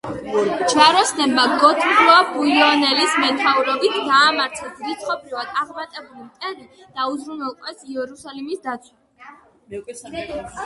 ჯვაროსნებმა გოდფრუა ბუიონელის მეთაურობით დაამარცხეს რიცხობრივად აღმატებული მტერი და უზრუნველყვეს იერუსალიმის დაცვა.